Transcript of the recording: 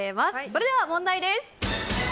それでは問題です。